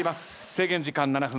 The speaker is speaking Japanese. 制限時間７分。